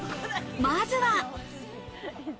まずは。